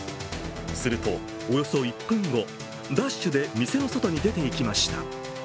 するとおよそ１分後、ダッシュで店の外に出て行きました。